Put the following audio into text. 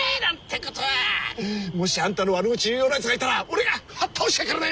もしあんたの悪口言うようなやつがいたら俺がはっ倒してやっからね！